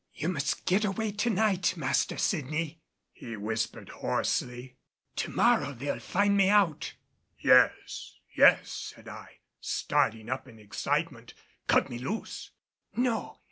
"You must get away to night, Master Sydney," he whispered hoarsely. "To morrow they'll find me out." "Yes, yes," said I, starting up in excitement, "cut me loose!" "No!